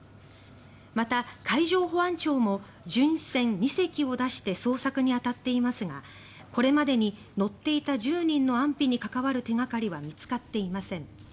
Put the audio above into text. また、海上保安庁も巡視船２隻を出して捜索に当たっていますがこれまでに乗っていた１０人の安否に関わる手掛かりは見つかっていません。